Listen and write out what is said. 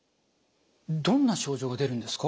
どんな症状が出るんですか？